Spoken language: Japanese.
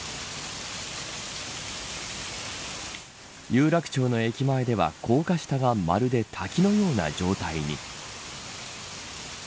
有楽町の駅前では高架下がまるで滝のような状態に。